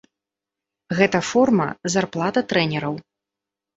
Гэта форма, зарплата трэнераў.